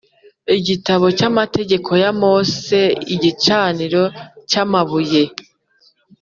Igitabo Cy amategeko ya mose igicaniro cy amabuye